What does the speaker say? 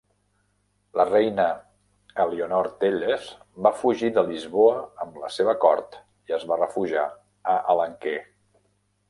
La reina Elionor Telles va fugir de Lisboa amb la seva cort i es va refugiar a Alenquer.